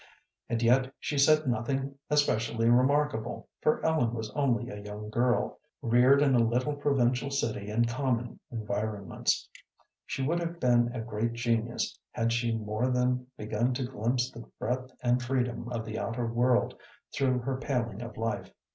And yet she said nothing especially remarkable, for Ellen was only a young girl, reared in a little provincial city in common environments. She would have been a great genius had she more than begun to glimpse the breadth and freedom of the outer world through her paling of life.